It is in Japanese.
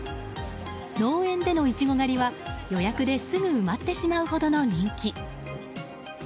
農園でのイチゴ狩りは予約ですぐ埋まってしまうほどの人気。